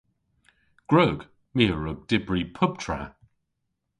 Gwrug. My a wrug dybri pubtra.